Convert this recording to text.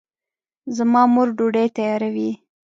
زما مور ډوډۍ تیاروي